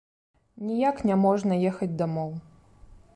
Ніяк няможна ехаць дамоў.